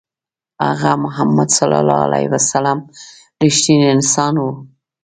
هغه ﷺ رښتینی انسان و.